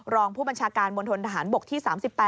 รองผู้บัญชาการมวลทนฐานบกที่๓๘